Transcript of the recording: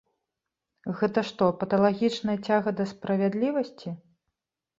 Гэта што, паталагічная цяга да справядлівасці?